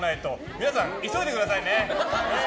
皆さん、急いでくださいね！